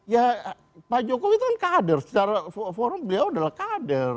ya pak jokowi itu kan kader secara forum beliau adalah kader